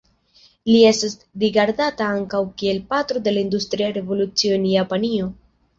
Li estas rigardata ankaŭ kiel patro de la industria revolucio en Japanio.